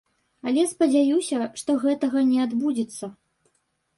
Але спадзяюся, што гэтага не адбудзецца.